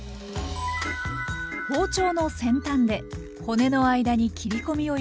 包丁の先端で骨の間に切り込みを入れます。